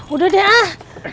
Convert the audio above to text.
aduh deh ah